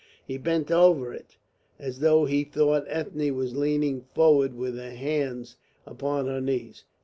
He bent over it, as though he thought Ethne was leaning forward with her hands upon her knees.